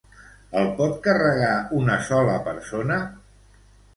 El pot carregar una sola persona?